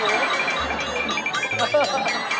ก็ที่ทรง